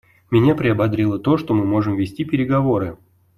Меня приободрило то, что мы можем вести переговоры.